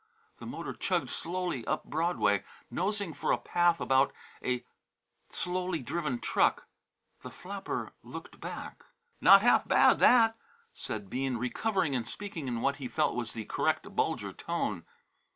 The motor chugged slowly up Broadway, nosing for a path about a slowly driven truck; the flapper looked back. "Not half bad, that!" said Bean, recovering, and speaking in what he felt was the correct Bulger tone.